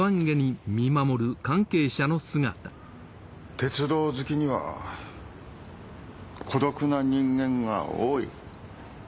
鉄道好きには孤独な人間が多い。